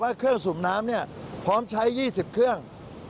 เครื่องสูบน้ำพร้อมใช้๒๐เครื่อง